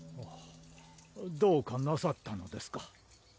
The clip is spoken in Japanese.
どうかなさったのですか？